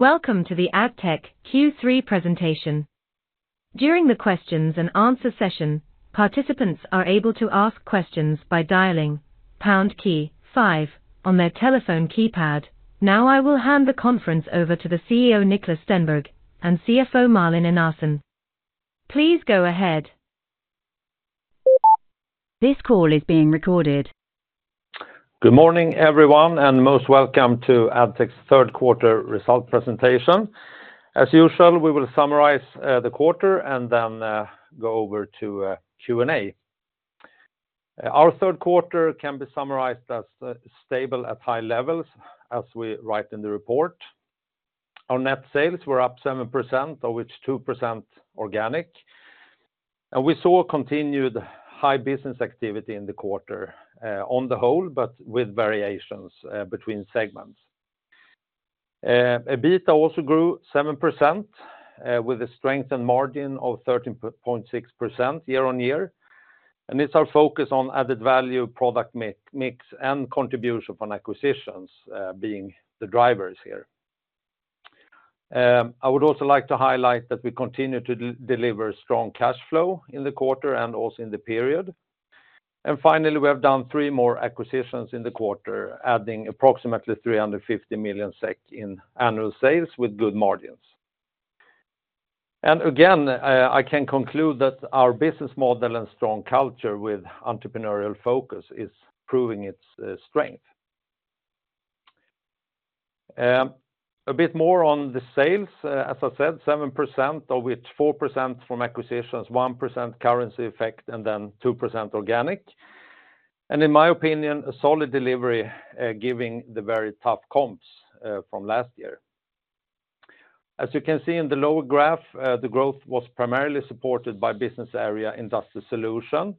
Welcome to the Addtech Q3 presentation. During the questions and answers session, participants are able to ask questions by dialing pound key five on their telephone keypad. Now, I will hand the conference over to the CEO, Niklas Stenberg, and CFO, Malin Enarson. Please go ahead. This call is being recorded. Good morning, everyone, and most welcome to Addtech's third quarter result presentation. As usual, we will summarize the quarter and then go over to Q&A. Our third quarter can be summarized as stable at high levels, as we write in the report. Our net sales were up 7%, of which 2% organic, and we saw a continued high business activity in the quarter on the whole, but with variations between segments. EBITDA also grew 7%, with a strong margin of 13.6% year-on-year, and it's our focus on added value, product mix, and contribution from acquisitions being the drivers here. I would also like to highlight that we continue to deliver strong cash flow in the quarter and also in the period. And finally, we have done three more acquisitions in the quarter, adding approximately 350 million SEK in annual sales with good margins. And again, I can conclude that our business model and strong culture with entrepreneurial focus is proving its strength. A bit more on the sales. As I said, 7%, of which 4% from acquisitions, 1% currency effect, and then 2% organic. And in my opinion, a solid delivery, giving the very tough comps from last year. As you can see in the lower graph, the growth was primarily supported by business area Industrial Solutions,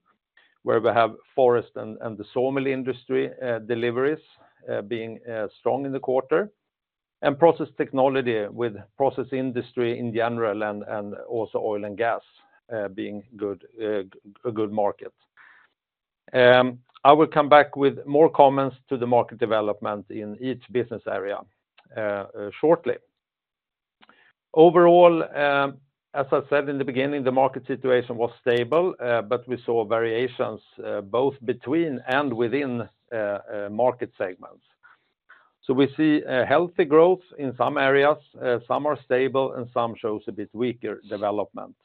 where we have forest and the sawmill industry deliveries being strong in the quarter, and Process Technology with process industry in general and also oil and gas being a good market. I will come back with more comments to the market development in each business area shortly. Overall, as I said in the beginning, the market situation was stable, but we saw variations both between and within market segments. So we see healthy growth in some areas, some are stable, and some shows a bit weaker development.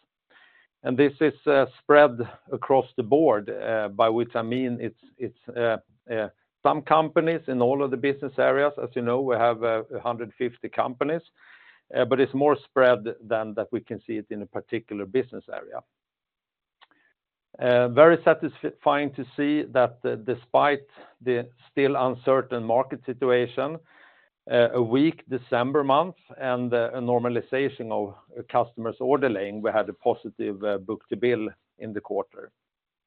And this is spread across the board, by which I mean it's some companies in all of the business areas. As you know, we have 150 companies, but it's more spread than that we can see it in a particular business area. Very satisfying to see that despite the still uncertain market situation, a weak December month, and a normalization of customers' ordering, we had a positive book-to-bill in the quarter,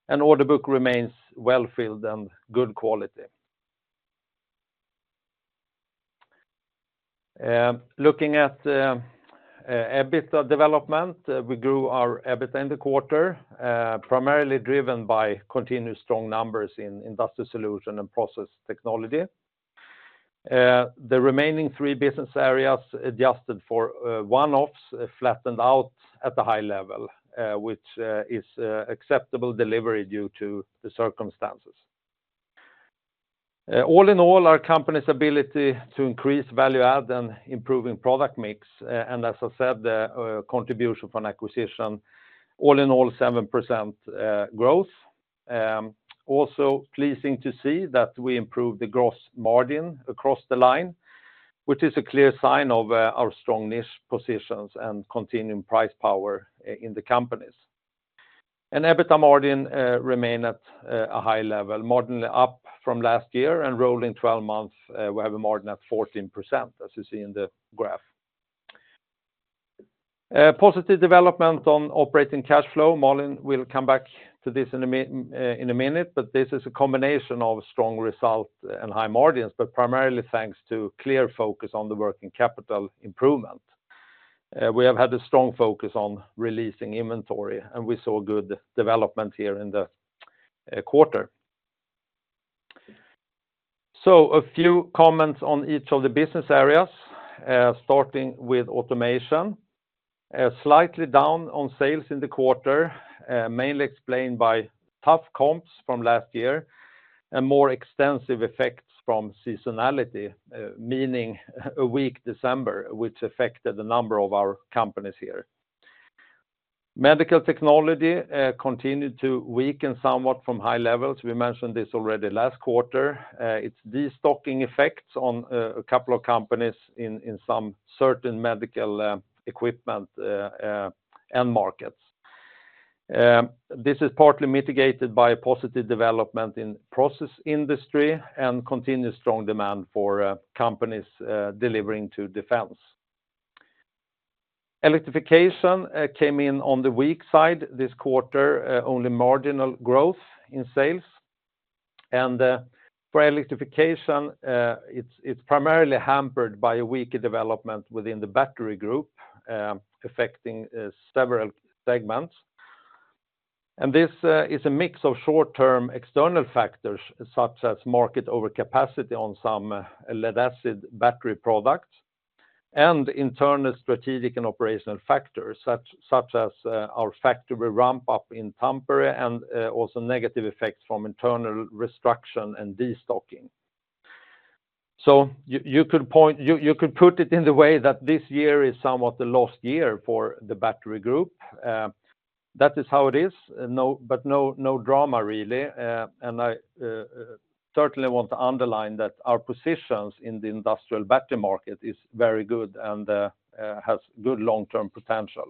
and order book remains well-filled and good quality. Looking at EBITDA development, we grew our EBITDA in the quarter, primarily driven by continuous strong numbers in Industrial Solutions and Process Technology. The remaining three business areas, adjusted for one-offs, flattened out at a high level, which is acceptable delivery due to the circumstances. All in all, our company's ability to increase value add and improving product mix, and as I said, the contribution from acquisition, all in all, 7% growth. Also pleasing to see that we improved the gross margin across the line, which is a clear sign of our strong niche positions and continuing price power in the companies. And EBITDA margin remain at a high level, moderately up from last year, and rolling 12 months, we have a margin at 14%, as you see in the graph. Positive development on operating cash flow. Malin will come back to this in a minute, but this is a combination of strong result and high margins, but primarily thanks to clear focus on the working capital improvement. We have had a strong focus on releasing inventory, and we saw good development here in the quarter. So a few comments on each of the business areas, starting with automation. Slightly down on sales in the quarter, mainly explained by tough comps from last year and more extensive effects from seasonality, meaning a weak December, which affected a number of our companies here. Medical technology continued to weaken somewhat from high levels. We mentioned this already last quarter. It's destocking effects on a couple of companies in some certain medical equipment end markets. This is partly mitigated by a positive development in process industry and continued strong demand for companies delivering to defense. Electrification came in on the weak side this quarter, only marginal growth in sales. For electrification, it's primarily hampered by a weaker development within the battery group, affecting several segments. This is a mix of short-term external factors, such as market overcapacity on some lead-acid battery products, and internal strategic and operational factors, such as our factory ramp up in Tampere, and also negative effects from internal restructure and destocking. So you could put it in the way that this year is somewhat the lost year for the battery group. That is how it is, no drama, really. And I certainly want to underline that our positions in the industrial battery market is very good and has good long-term potential.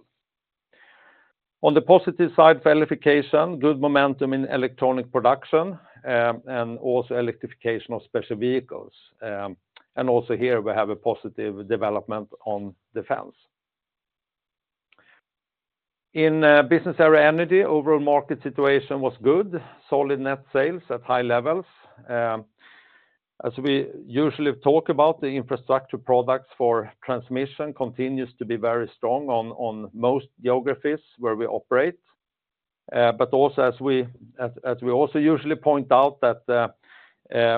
On the positive side, verification, good momentum in electronic production, and also electrification of special vehicles. And also here, we have a positive development on defense. In business area Energy, overall market situation was good, solid net sales at high levels. As we usually talk about, the infrastructure products for transmission continues to be very strong on most geographies where we operate. But also as we also usually point out, that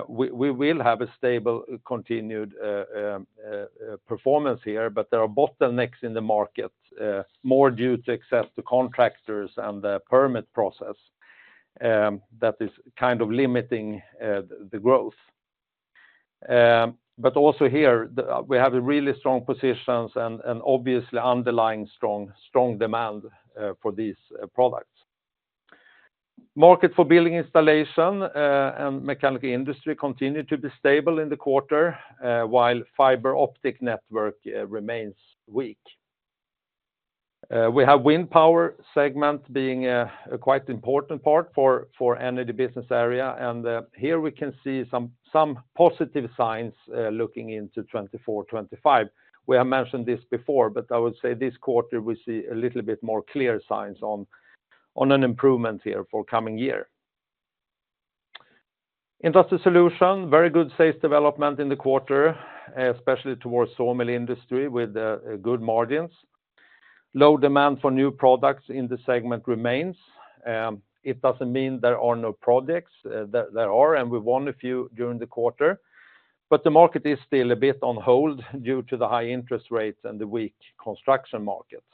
we will have a stable, continued performance here, but there are bottlenecks in the market more due to access to contractors and the permit process that is kind of limiting the growth. But also here, we have a really strong positions and obviously underlying strong demand for these products. Market for building installation and mechanical industry continue to be stable in the quarter, while fiber optic network remains weak. We have wind power segment being a quite important part for energy business area, and here we can see some positive signs looking into 2024, 2025. We have mentioned this before, but I would say this quarter, we see a little bit more clear signs on an improvement here for coming year. Industrial Solutions, very good sales development in the quarter, especially towards sawmill industry with good margins. Low demand for new products in the segment remains. It doesn't mean there are no projects, there are, and we won a few during the quarter. But the market is still a bit on hold due to the high interest rates and the weak construction markets.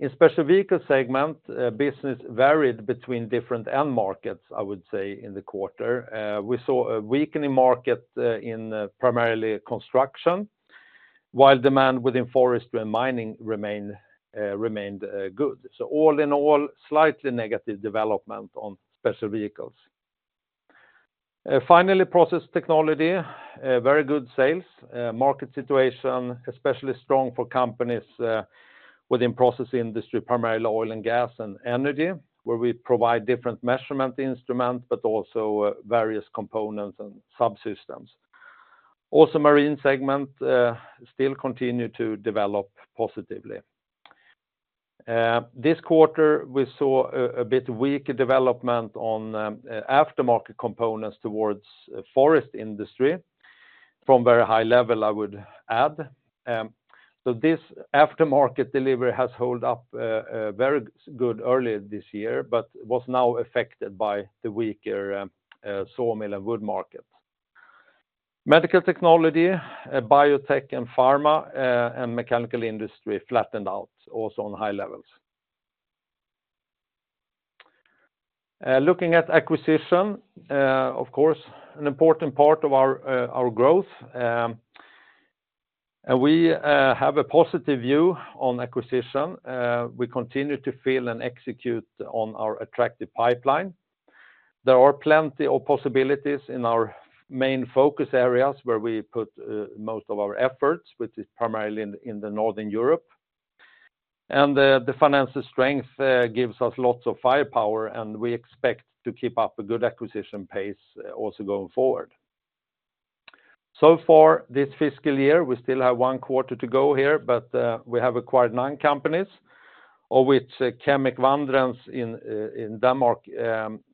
In special vehicle segment, business varied between different end markets, I would say, in the quarter. We saw a weakening market in primarily construction, while demand within forestry and mining remained good. So all in all, slightly negative development on special vehicles. Finally, Process Technology, a very good sales market situation, especially strong for companies within processing industry, primarily oil and gas and energy, where we provide different measurement instruments, but also various components and subsystems. Also, marine segment still continue to develop positively. This quarter, we saw a bit weaker development on aftermarket components towards forest industry, from very high level, I would add. So this aftermarket delivery has held up very good earlier this year, but was now affected by the weaker sawmill and wood markets. Medical technology, biotech and pharma, and mechanical industry flattened out, also on high levels. Looking at acquisition, of course, an important part of our growth, and we have a positive view on acquisition. We continue to fill and execute on our attractive pipeline. There are plenty of possibilities in our main focus areas, where we put most of our efforts, which is primarily in the Northern Europe. And the financial strength gives us lots of firepower, and we expect to keep up a good acquisition pace, also going forward. So far this fiscal year, we still have one quarter to go here, but we have acquired nine companies, of which Kemic Vandrens in Denmark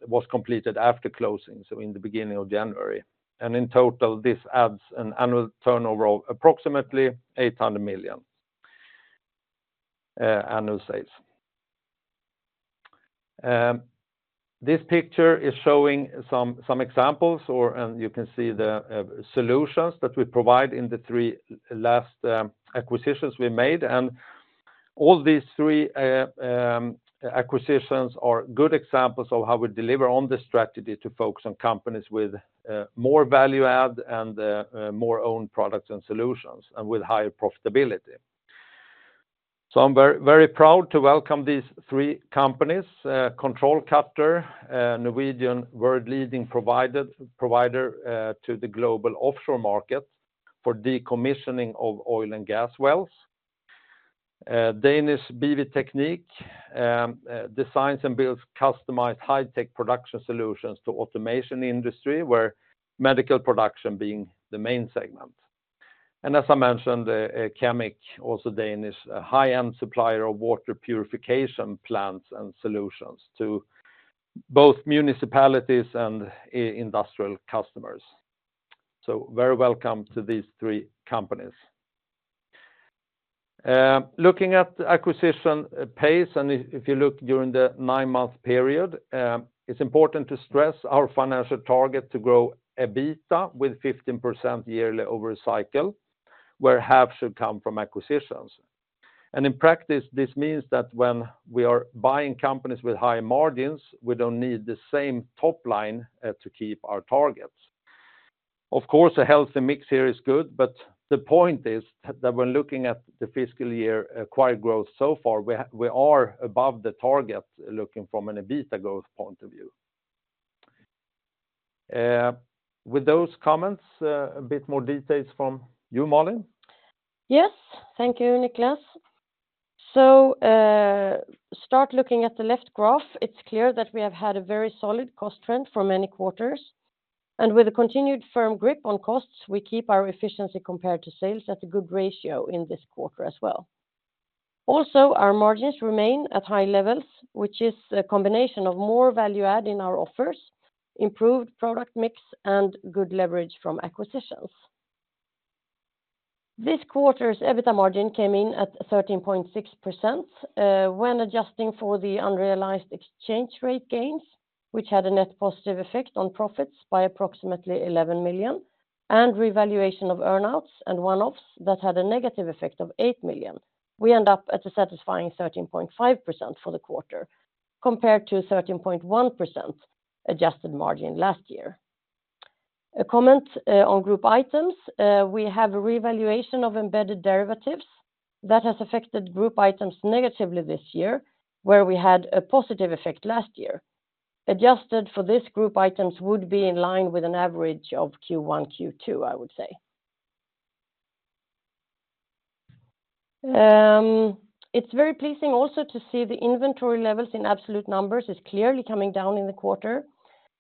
was completed after closing, so in the beginning of January. In total, this adds an annual turnover of approximately 800 million annual sales. This picture is showing some examples, and you can see the solutions that we provide in the three last acquisitions we made. All these three acquisitions are good examples of how we deliver on the strategy to focus on companies with more value add and more own products and solutions and with higher profitability. So I'm very proud to welcome these three companies, Control Cutter, a Norwegian world-leading provider to the global offshore market for decommissioning of oil and gas wells. Danish BV Teknik designs and builds customized high-tech production solutions to automation industry, where medical production being the main segment. And as I mentioned, Kemic, also Danish, a high-end supplier of water purification plants and solutions to both municipalities and industrial customers. So very welcome to these three companies. Looking at the acquisition pace, and if you look during the nine-month period, it's important to stress our financial target to grow EBITDA with 15% yearly over a cycle, where half should come from acquisitions. And in practice, this means that when we are buying companies with high margins, we don't need the same top line to keep our targets. Of course, a healthy mix here is good, but the point is that when looking at the fiscal year acquired growth so far, we are above the target, looking from an EBITDA growth point of view. With those comments, a bit more details from you, Malin? Yes. Thank you, Niklas. So, start looking at the left graph. It's clear that we have had a very solid cost trend for many quarters, and with a continued firm grip on costs, we keep our efficiency compared to sales at a good ratio in this quarter as well. Also, our margins remain at high levels, which is a combination of more value add in our offers, improved product mix, and good leverage from acquisitions. This quarter's EBITDA margin came in at 13.6%, when adjusting for the unrealized exchange rate gains, which had a net positive effect on profits by approximately 11 million, and revaluation of earn-outs and one-offs that had a negative effect of 8 million. We end up at a satisfying 13.5% for the quarter, compared to 13.1% adjusted margin last year. A comment on group items. We have a revaluation of embedded derivatives that has affected group items negatively this year, where we had a positive effect last year. Adjusted for this group items would be in line with an average of Q1, Q2, I would say. It's very pleasing also to see the inventory levels in absolute numbers is clearly coming down in the quarter,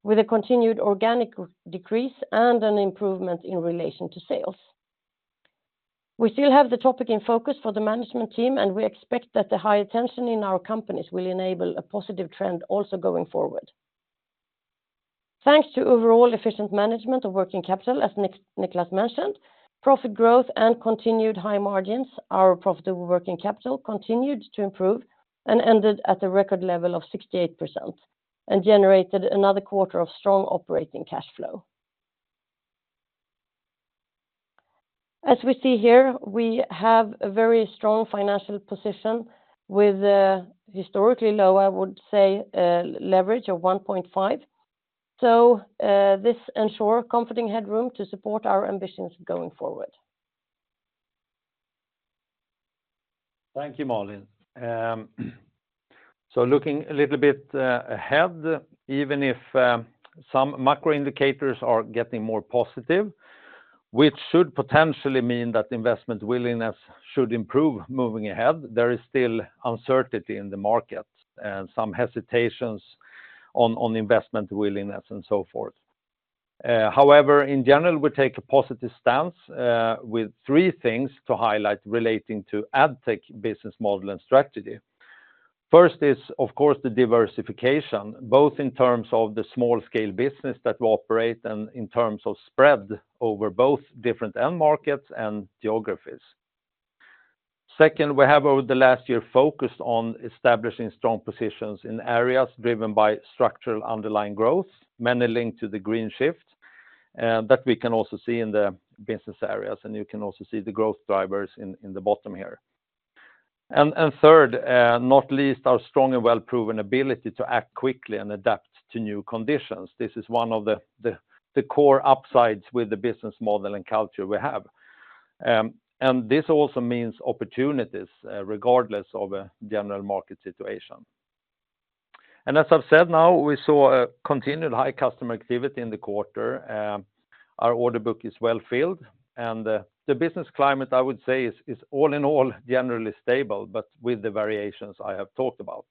with a continued organic decrease and an improvement in relation to sales. We still have the topic in focus for the management team, and we expect that the high attention in our companies will enable a positive trend also going forward. Thanks to overall efficient management of working capital, as Niklas mentioned, profit growth and continued high margins, our profitable working capital continued to improve and ended at a record level of 68% and generated another quarter of strong operating cash flow. As we see here, we have a very strong financial position with a historically low, I would say, leverage of 1.5. So, this ensures comforting headroom to support our ambitions going forward. Thank you, Malin. So looking a little bit ahead, even if some macro indicators are getting more positive, which should potentially mean that investment willingness should improve moving ahead, there is still uncertainty in the market and some hesitations on investment willingness and so forth. However, in general, we take a positive stance with three things to highlight relating to Addtech business model and strategy. First is, of course, the diversification, both in terms of the small scale business that we operate and in terms of spread over both different end markets and geographies. Second, we have over the last year focused on establishing strong positions in areas driven by structural underlying growth, mainly linked to the green shift that we can also see in the business areas, and you can also see the growth drivers in the bottom here. And third, not least, our strong and well-proven ability to act quickly and adapt to new conditions. This is one of the core upsides with the business model and culture we have. And this also means opportunities, regardless of a general market situation. And as I've said now, we saw a continued high customer activity in the quarter, our order book is well filled, and the business climate, I would say, is all in all, generally stable, but with the variations I have talked about.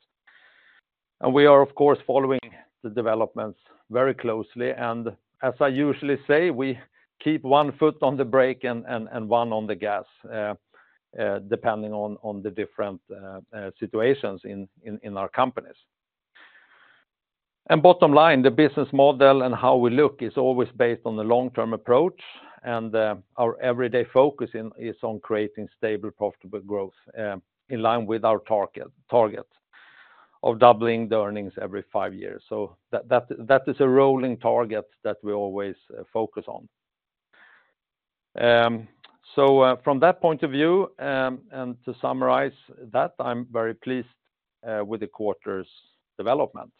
And we are, of course, following the developments very closely, and as I usually say, we keep one foot on the brake and one on the gas, depending on the different situations in our companies. Bottom line, the business model and how we look is always based on the long-term approach, and our everyday focus is on creating stable, profitable growth in line with our target of doubling the earnings every five years. That is a rolling target that we always focus on. From that point of view, and to summarize that, I'm very pleased with the quarter's development.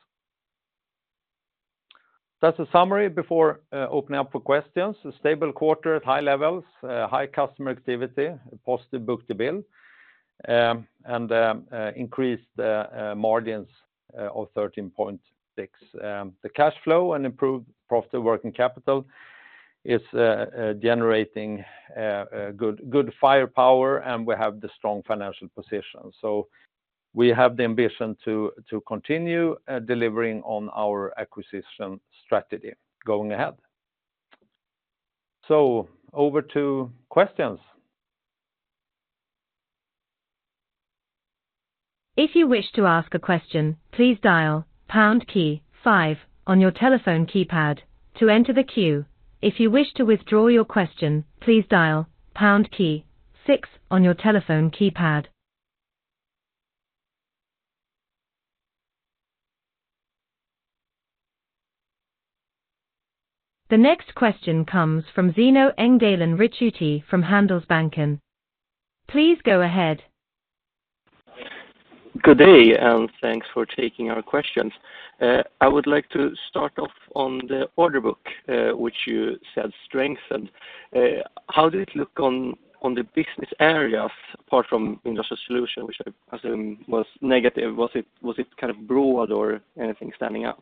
That's a summary before opening up for questions. A stable quarter at high levels, high customer activity, a positive book-to-bill, and increased margins of 13.6. The cash flow and improved profitable working capital is generating a good firepower, and we have the strong financial position. So we have the ambition to continue delivering on our acquisition strategy going ahead. So over to questions.... If you wish to ask a question, please dial pound key five on your telephone keypad to enter the queue. If you wish to withdraw your question, please dial pound key six on your telephone keypad. The next question comes from Zino Engdalen Ricciuti from Handelsbanken. Please go ahead. Good day, and thanks for taking our questions. I would like to start off on the order book, which you said strengthened. How did it look on the business areas, apart from Industrial Solutions, which I assume was negative? Was it kind of broad or anything standing out?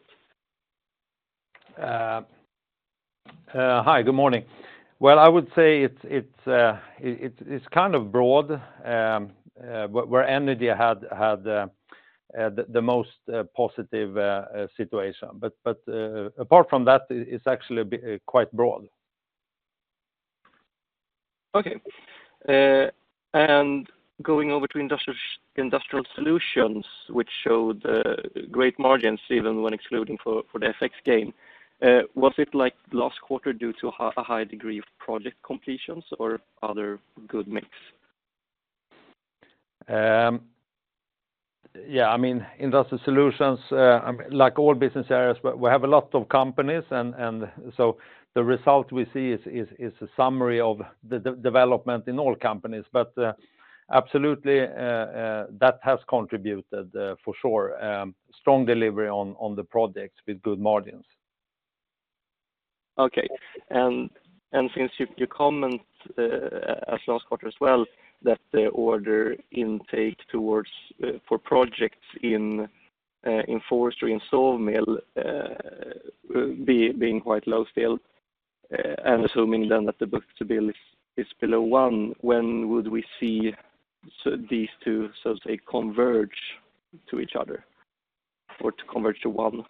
Hi, good morning. Well, I would say it's kind of broad, but where Energy had the most positive situation. But apart from that, it's actually been quite broad. Okay. And going over to Industrial Solutions, which showed great margins, even when excluding for the FX gain, was it like last quarter due to a high degree of project completions or other good mix? Yeah, I mean, Industrial Solutions, I mean, like all business areas, we have a lot of companies, and so the result we see is a summary of the development in all companies. But, absolutely, that has contributed, for sure, strong delivery on the projects with good margins. Okay. And since you comment as last quarter as well, that the order intake toward for projects in forestry, in saw mill, being quite low still, and assuming then that the book-to-bill is below one, when would we see so these two, so to say, converge to each other or to converge to one?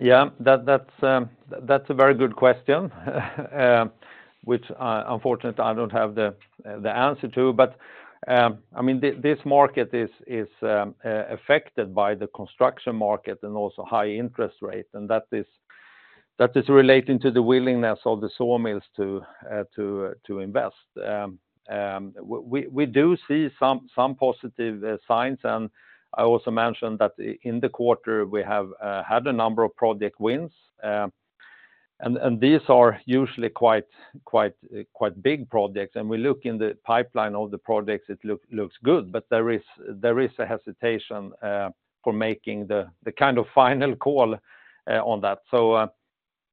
Yeah, that's a very good question, which, unfortunately, I don't have the answer to. But, I mean, this market is affected by the construction market and also high interest rate, and that is relating to the willingness of the saw mills to invest. We do see some positive signs, and I also mentioned that in the quarter, we have had a number of project wins. And these are usually quite big projects, and we look in the pipeline of the projects, it looks good, but there is a hesitation for making the kind of final call on that.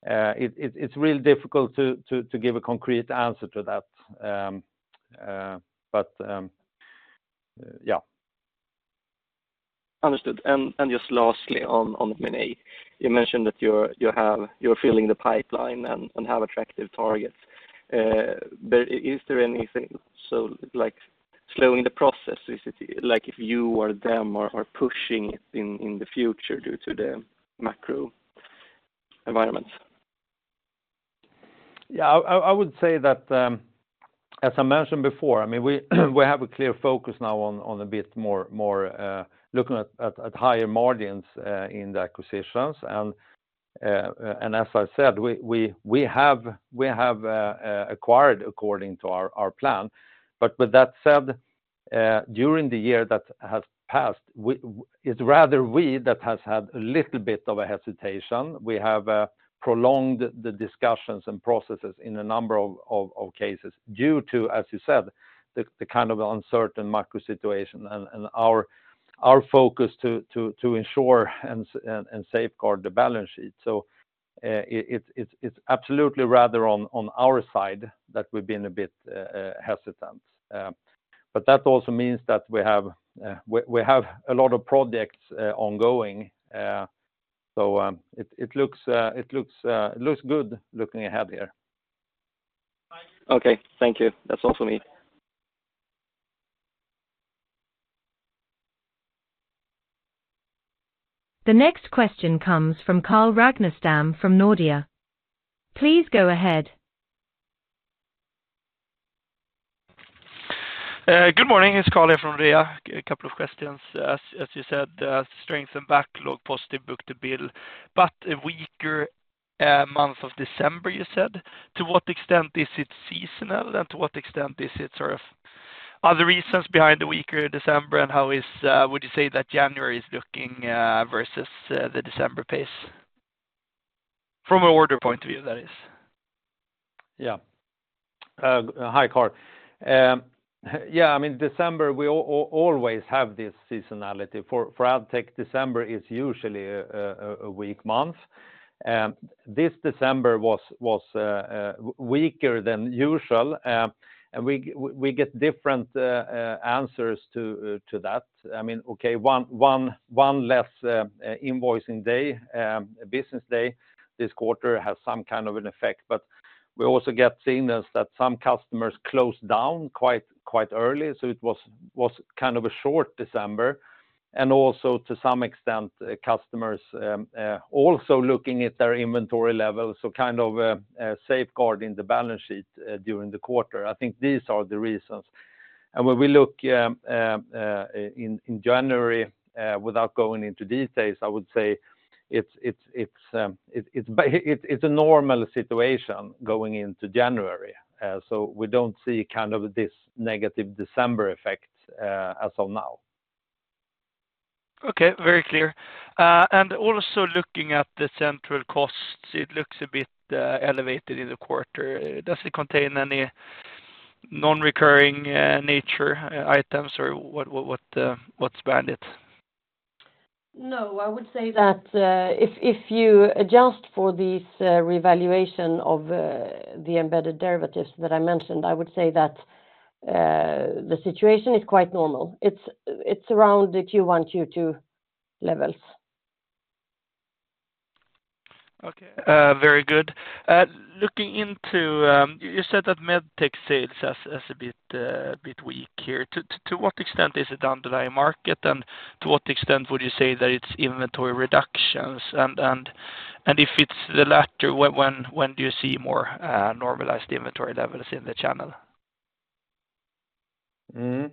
It's really difficult to give a concrete answer to that, but yeah. Understood. And just lastly, on M&A, you mentioned that you're filling the pipeline and have attractive targets. But is there anything so, like, slowing the process? Is it like if you or them are pushing it in the future due to the macro environment? Yeah, I would say that, as I mentioned before, I mean, we have a clear focus now on a bit more looking at higher margins in the acquisitions, and as I said, we have acquired according to our plan. But with that said, during the year that has passed, it's rather we that has had a little bit of a hesitation. We have prolonged the discussions and processes in a number of cases due to, as you said, the kind of uncertain macro situation and our focus to ensure and safeguard the balance sheet. So, it's absolutely rather on our side that we've been a bit hesitant. But that also means that we have a lot of projects ongoing. So, it looks good looking ahead here. Okay, thank you. That's all for me. The next question comes from Carl Ragnerstam from Nordea. Please go ahead. Good morning. It's Carl from Nordea. A couple of questions. As you said, strength and backlog, positive book-to-bill, but a weaker month of December, you said. To what extent is it seasonal, and to what extent is it sort of...? Are the reasons behind the weaker December, and how would you say that January is looking versus the December pace? From an order point of view, that is. Yeah. Hi, Carl. Yeah, I mean, December, we always have this seasonality. For Addtech, December is usually a weak month. This December was weaker than usual, and we get different answers to that. I mean, okay, one less invoicing day, a business day this quarter has some kind of an effect, but we also get signals that some customers closed down quite early, so it was kind of a short December. And also to some extent, customers also looking at their inventory levels, so kind of safeguarding the balance sheet during the quarter. I think these are the reasons. When we look in January, without going into details, I would say it's a normal situation going into January. So we don't see kind of this negative December effect, as of now. Okay, very clear. Also looking at the central costs, it looks a bit elevated in the quarter. Does it contain any non-recurring nature items or what's behind it? No, I would say that, if you adjust for these, revaluation of the embedded derivatives that I mentioned, I would say that, the situation is quite normal. It's around the Q1, Q2 levels. Okay, very good. Looking into, you said that med tech sales are a bit weak here. To what extent is it down to the market? And to what extent would you say that it's inventory reductions? And if it's the latter, when do you see more normalized inventory levels in the channel? I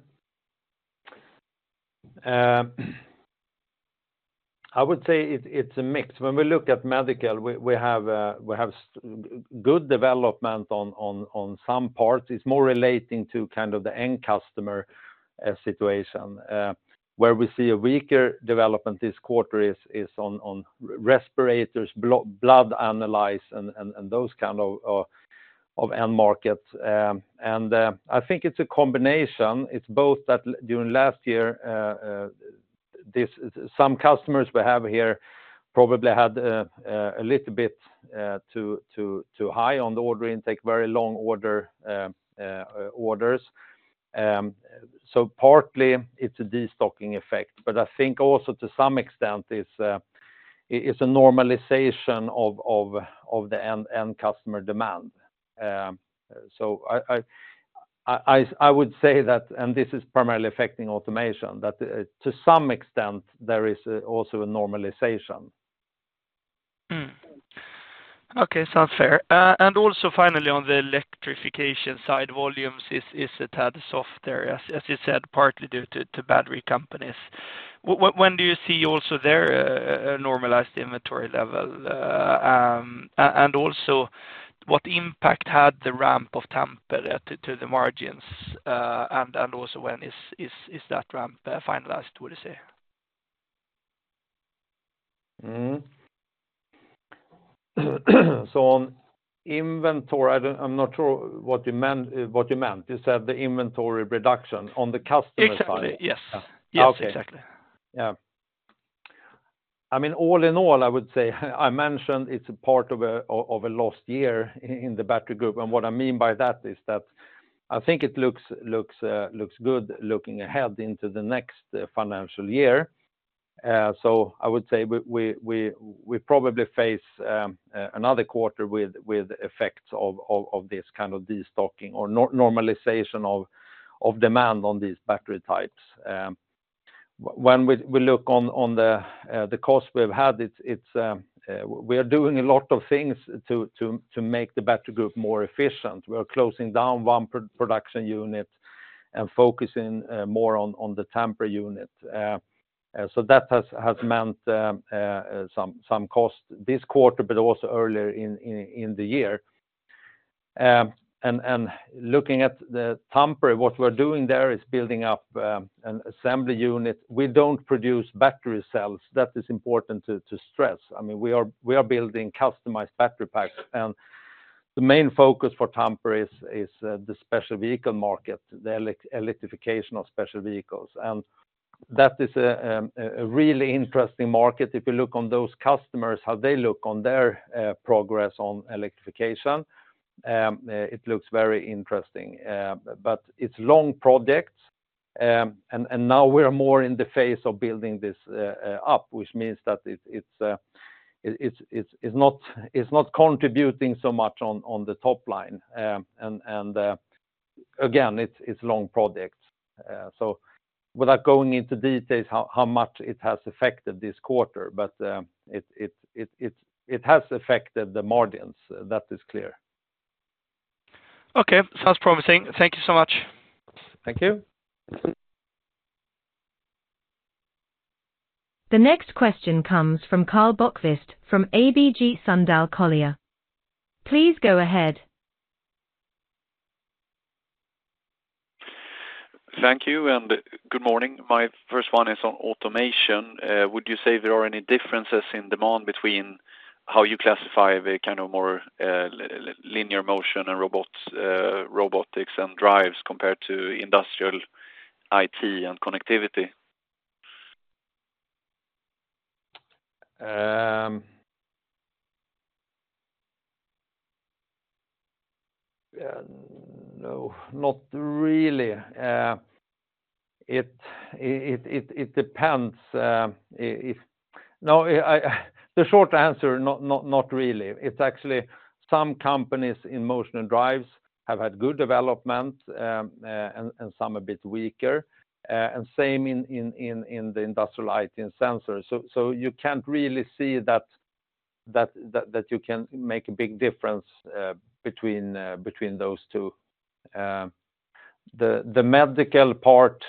would say it's a mix. When we look at medical, we have good development on some parts. It's more relating to kind of the end customer situation. Where we see a weaker development this quarter is on respirators, blood analyzers, and those kind of end markets. And I think it's a combination. It's both that during last year, some customers we have here probably had a little bit too high on the order intake, very long orders. So partly it's a destocking effect, but I think also to some extent, it's a normalization of the end customer demand. So I would say that, and this is primarily affecting automation, that to some extent there is also a normalization. Mm. Okay, sounds fair. And also finally, on the electrification side, volumes is a tad softer, as you said, partly due to battery companies. When do you see also their normalized inventory level? And also, what impact had the ramp of Tampere to the margins? And also when is that ramp finalized, would you say? Mm-hmm. So on inventory, I'm not sure what you meant. You said the inventory reduction on the customer side? Exactly, yes. Okay. Yes, exactly. Yeah. I mean, all in all, I would say, I mentioned it's a part of a lost year in the battery group. And what I mean by that is that I think it looks good looking ahead into the next financial year. So I would say we probably face another quarter with effects of this kind of destocking or normalization of demand on these battery types. When we look on the cost we've had, it's we are doing a lot of things to make the battery group more efficient. We are closing down one production unit and focusing more on the Tampere unit. So that has meant some cost this quarter, but also earlier in the year. And looking at the Tampere, what we're doing there is building up an assembly unit. We don't produce battery cells. That is important to stress. I mean, we are building customized battery packs, and the main focus for Tampere is the special vehicle market, the electrification of special vehicles. And that is a really interesting market. If you look on those customers, how they look on their progress on electrification, it looks very interesting, but it's long projects. And now we're more in the phase of building this up, which means that it's not contributing so much on the top line. Again, it's long projects. So, without going into details, how much it has affected this quarter, but it has affected the margins. That is clear. Okay. Sounds promising. Thank you so much. Thank you. The next question comes from Karl Bokvist from ABG Sundal Collier. Please go ahead. Thank you, and good morning. My first one is on automation. Would you say there are any differences in demand between how you classify the kind of more linear motion and robotics and drives compared to industrial IT and connectivity? No, not really. The short answer, not really. It's actually some companies in motion and drives have had good development, and some a bit weaker, and same in the industrial IT and sensors. So you can't really see that you can make a big difference between those two. The medical part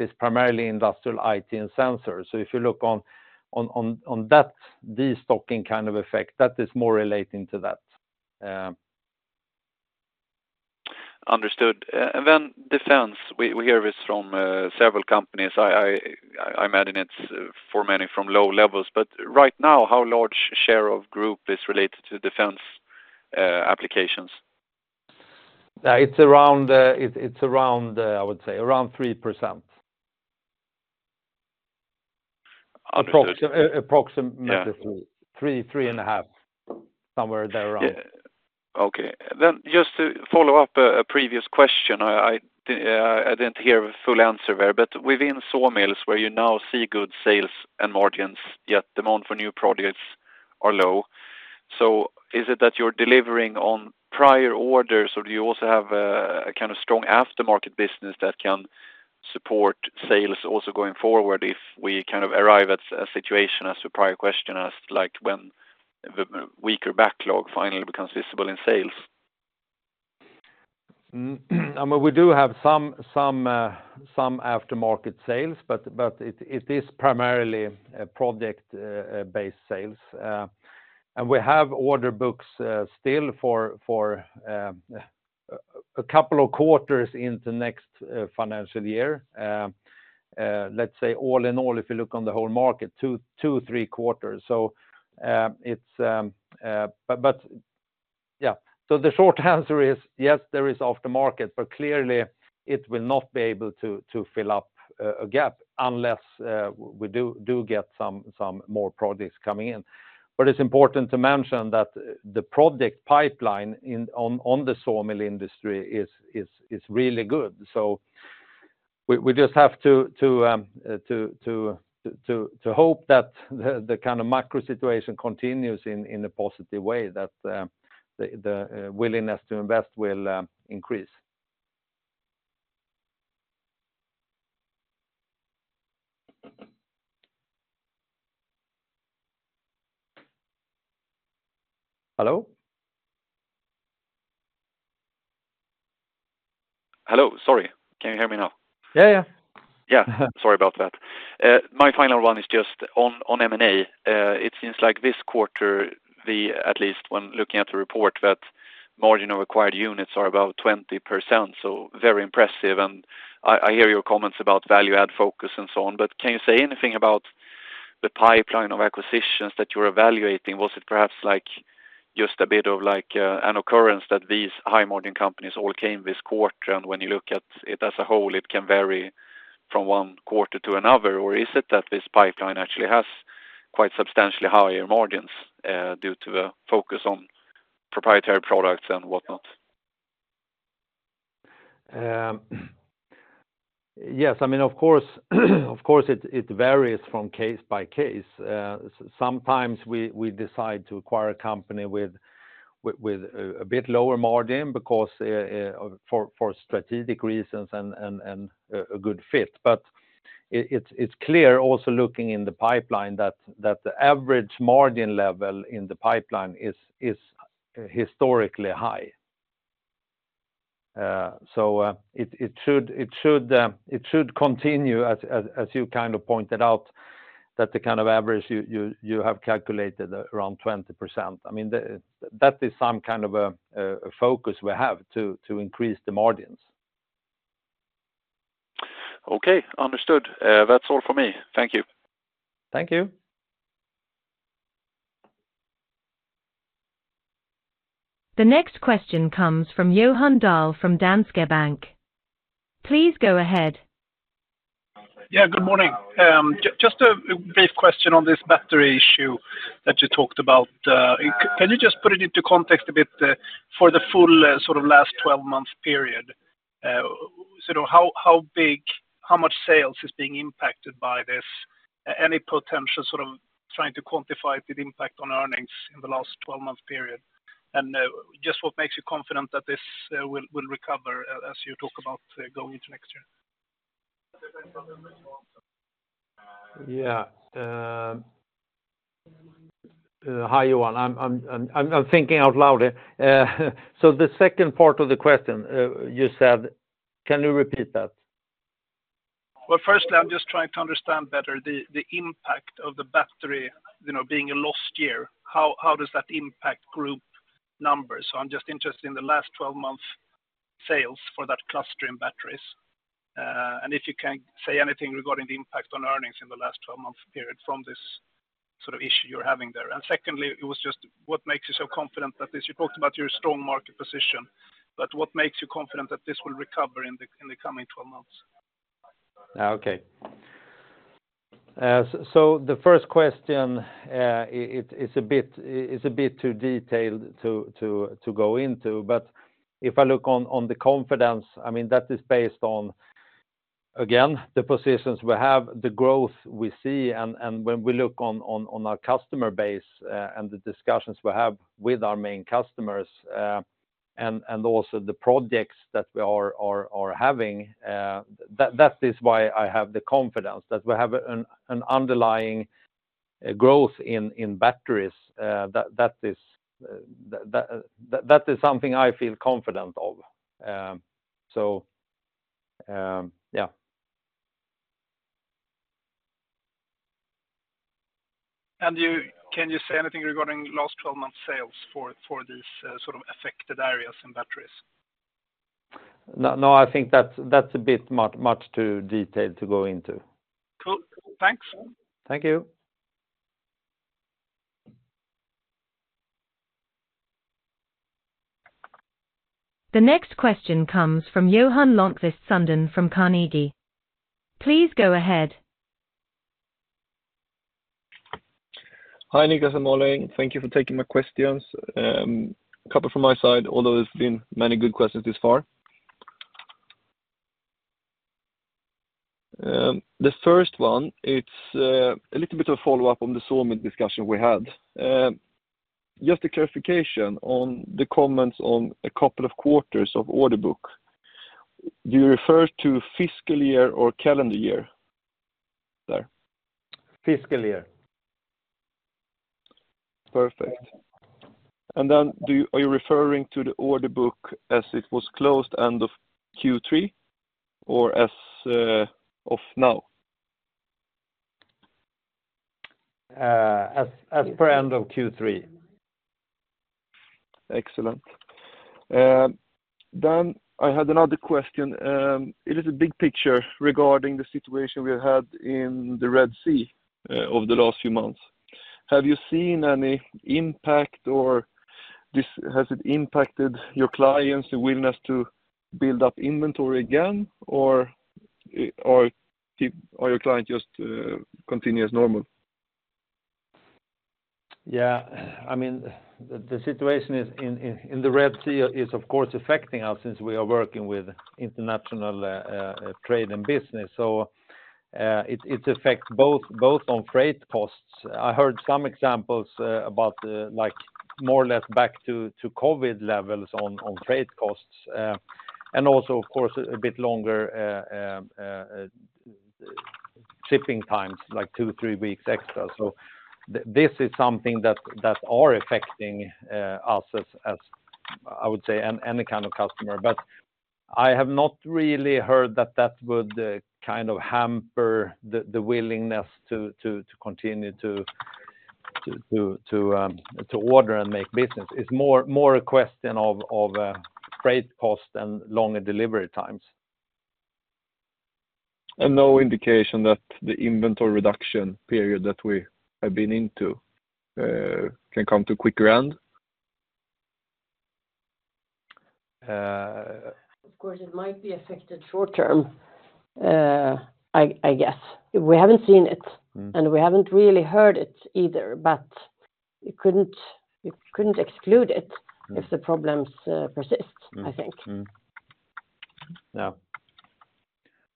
is primarily industrial IT and sensors. So if you look on that destocking kind of effect, that is more relating to that. Understood. And then defense, we hear this from several companies. I imagine it's for many from low levels, but right now, how large share of group is related to defense applications? It's around, I would say, around 3%. Understood. Approx- approximately- Yeah... three, 3.5, somewhere there around. Yeah. Okay, then just to follow up on a previous question, I didn't hear a full answer there, but within sawmills, where you now see good sales and margins, yet demand for new products are low. So is it that you're delivering on prior orders, or do you also have a kind of strong aftermarket business that can support sales also going forward, if we kind of arrive at a situation, as your prior question asked, like when the weaker backlog finally becomes visible in sales? I mean, we do have some aftermarket sales, but it is primarily a project-based sales. We have order books still for a couple of quarters into next financial year. Let's say all in all, if you look on the whole market, two-three quarters. So, it's but yeah. So the short answer is yes, there is aftermarket, but clearly it will not be able to fill up a gap unless we do get some more products coming in. But it's important to mention that the project pipeline in the sawmill industry is really good. So we just have to hope that the kind of macro situation continues in a positive way, that the willingness to invest will increase. Hello? Hello, sorry. Can you hear me now? Yeah, yeah. Yeah. Sorry about that. My final one is just on M&A. It seems like this quarter, we at least when looking at the report, that margin of acquired units are about 20%, so very impressive. And I hear your comments about value add focus and so on, but can you say anything about the pipeline of acquisitions that you're evaluating? Was it perhaps like just a bit of like an occurrence that these high margin companies all came this quarter, and when you look at it as a whole, it can vary from one quarter to another? Or is it that this pipeline actually has quite substantially higher margins due to a focus on proprietary products and whatnot? Yes, I mean, of course, it varies from case by case. Sometimes we decide to acquire a company with a bit lower margin because, for strategic reasons and a good fit. But it's clear also looking in the pipeline that the average margin level in the pipeline is historically high. So, it should continue, as you kind of pointed out, that the kind of average you have calculated around 20%. I mean, that is some kind of a focus we have to increase the margins. Okay, understood. That's all for me. Thank you. Thank you. The next question comes from Johan Dahl from Danske Bank. Please go ahead. Yeah, good morning. Just a brief question on this battery issue that you talked about. Can you just put it into context a bit for the full sort of last 12-month period? Sort of how big, how much sales is being impacted by this? Any potential sort of trying to quantify the impact on earnings in the last 12-month period? And just what makes you confident that this will recover as you talk about going into next year? Yeah, hi, Johan. I'm thinking out loud here. So the second part of the question, you said, can you repeat that? Well, firstly, I'm just trying to understand better the impact of the battery, you know, being a lost year, how does that impact group numbers? So I'm just interested in the last 12 months sales for that cluster in batteries. And if you can say anything regarding the impact on earnings in the last 12-month period from this sort of issue you're having there. And secondly, it was just what makes you so confident that this... You talked about your strong market position, but what makes you confident that this will recover in the coming 12 months? Okay. So the first question, it's a bit too detailed to go into. But if I look on the confidence, I mean, that is based on... Again, the positions we have, the growth we see, and when we look on our customer base, and the discussions we have with our main customers, and also the projects that we are having, that is why I have the confidence that we have an underlying growth in batteries, that is something I feel confident of. So, yeah. Can you say anything regarding last 12 months sales for these sort of affected areas in batteries? No, no, I think that's a bit much, much too detailed to go into. Cool. Thanks. Thank you. The next question comes from Johan Lönnqvist Sundén from Carnegie. Please go ahead. Hi, Niklas and Malin. Thank you for taking my questions. A couple from my side, although there's been many good questions this far. The first one, it's a little bit of follow-up on the sawmill discussion we had. Just a clarification on the comments on a couple of quarters of order book. Do you refer to fiscal year or calendar year there? Fiscal year. Perfect. And then are you referring to the order book as it was closed end of Q3 or as of now? As per end of Q3. Excellent. Then I had another question. It is a big picture regarding the situation we had in the Red Sea over the last few months. Have you seen any impact, or has it impacted your clients' willingness to build up inventory again, or your client just continue as normal? Yeah, I mean, the situation in the Red Sea is, of course, affecting us since we are working with international trade and business. So, it affects both on freight costs. I heard some examples about, like, more or less back to COVID levels on freight costs, and also, of course, a bit longer shipping times, like two-three weeks extra. So this is something that are affecting us as I would say any kind of customer, but I have not really heard that that would kind of hamper the willingness to continue to order and make business. It's more a question of freight cost and longer delivery times. No indication that the inventory reduction period that we have been into can come to a quicker end? Of course, it might be affected short term, I guess. We haven't seen it and we haven't really heard it either, but we couldn't exclude it if the problems persist I think.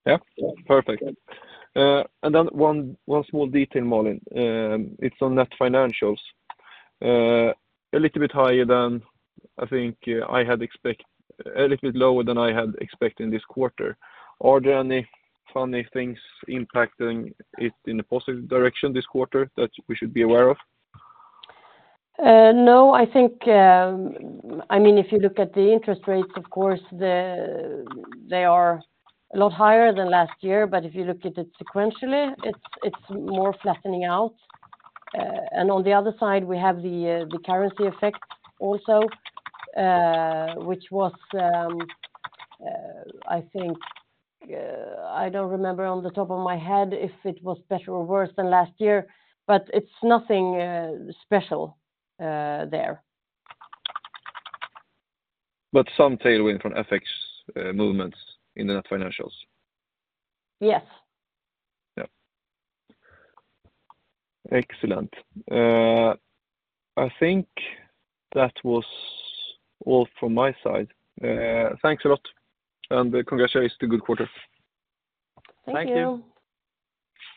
Yeah, perfect. And then one small detail, Malin. It's on net financials. A little bit lower than I had expected this quarter. Are there any funny things impacting it in a positive direction this quarter that we should be aware of? No, I think, I mean, if you look at the interest rates, of course, they are a lot higher than last year, but if you look at it sequentially, it's more flattening out. And on the other side, we have the currency effect also, which was, I think, I don't remember on the top of my head, if it was better or worse than last year, but it's nothing special there. But some tailwind from FX, movements in the net financials? Yes. Yeah. Excellent. I think that was all from my side. Thanks a lot, and congratulations to good quarter. Thank you. Thank you.